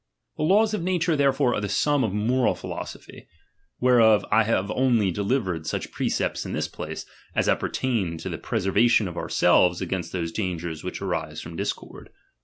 The laws of nature, therefore, are the sum of moral philosophy; whereof I have only delivered such precepts in this place, as appertain to the preser vation of ourselves against those dangers which I arise from discord.